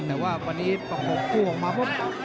แต่ว่าวันนี้ประกบคู่ออกมาปุ๊บ